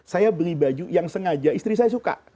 saya beli baju yang sengaja istri saya suka